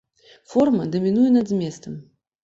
Форма дамінуе над зместам.